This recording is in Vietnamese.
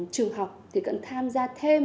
trường học thì cần tham gia thêm